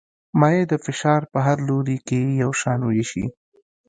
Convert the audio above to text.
مایع د فشار په هر لوري کې یو شان وېشي.